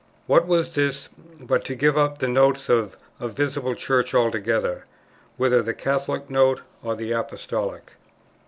What was this, but to give up the Notes of a visible Church altogether, whether the Catholic Note or the Apostolic?